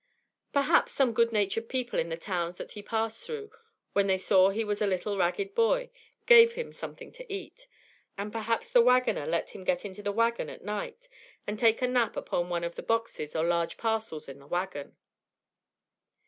Perhaps some good natured people in the towns that he passed through, when they saw he was a poor little ragged boy, gave him something to eat; and perhaps the wagoner let him get into the wagon at night, and take a nap upon one of the boxes or large parcels in the wagon.